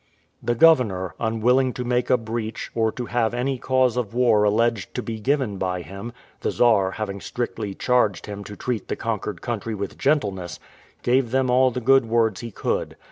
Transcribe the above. The governor, unwilling to make a breach, or to have any cause of war alleged to be given by him, the Czar having strictly charged him to treat the conquered country with gentleness, gave them all the good words he could.